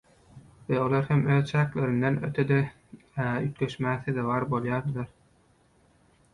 we olar hem öz çäklerinden ötede üýtgeşmä sezewar bolýardylar.